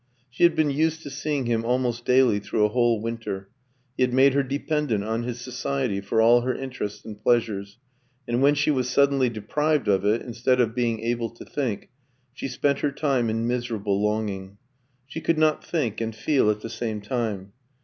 She had been used to seeing him almost daily through a whole winter; he had made her dependent on his society for all her interests and pleasures; and when she was suddenly deprived of it, instead of being able to think, she spent her time in miserable longing. She could not think and feel at the same time.